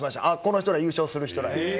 「あっこの人ら優勝する人らや」。